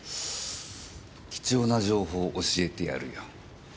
貴重な情報教えてやるよ。